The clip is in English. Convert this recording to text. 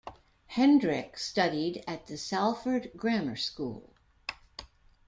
Hendrick studied at the Salford Grammar School.